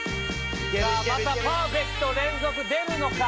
またパーフェクト連続出るのか？